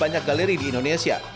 banyak galeri di indonesia